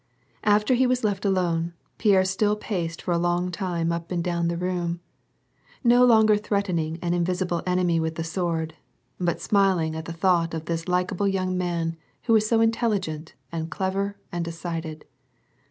After he was left alone, Pierre still paced for a long time up and down the room, no longer threatening an invisible enemy with the sword, but smiling at the thought of this likeable young man who was so intelligent and clever and decided.